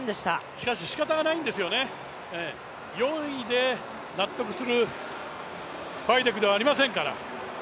しかし、しかたがないんですよね、４位で納得するファイデクではありませんから。